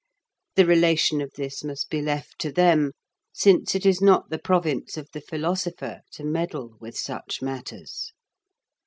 The relation of this must be left to them, since it is not the province of the philosopher to meddle with such matters.